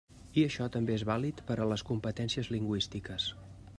I això també és vàlid per a les competències lingüístiques.